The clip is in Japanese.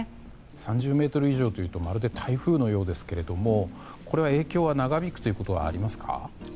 ３０メートル以上というとまるで台風のようですがこれは影響が長引くことはありますか？